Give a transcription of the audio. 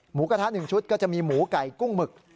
หมูกระทะ๑ชุดก็จะมีหมูไก่กุ้งหมึก